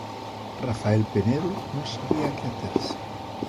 Rafael Penedo non sabía a que aterse.